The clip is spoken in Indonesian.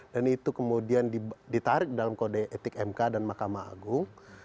dan itu kemudian ditarik dalam kode etik mk dan mahkamah agung